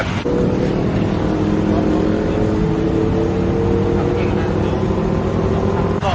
ยกรถ